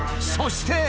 そして。